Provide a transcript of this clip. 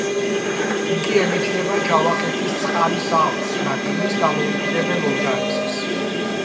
იგი ემიჯნება ჯავახეთის წყალის აუზს და ქმნის დამოუკიდებელ ორგანიზმს.